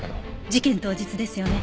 事件当日ですよね？